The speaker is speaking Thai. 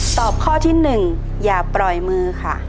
ตอบข้อที่๑อย่าปล่อยมือค่ะ